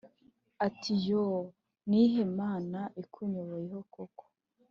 ati"yooh niyihe mana ikunyoboyeho koko ?